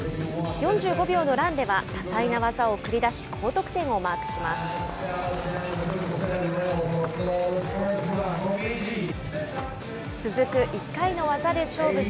４５秒のランでは、多彩な技を繰り出し、高得点をマークします。